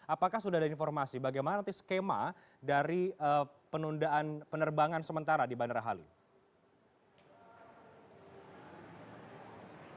apakah sudah ada informasi bagaimana nanti skema dari penundaan penerbangan sementara di bandara halim